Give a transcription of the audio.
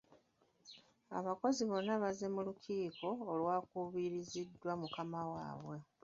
Abakozi bonna baazze mu lukiiko olwakubiriziddwa mukama waabwe.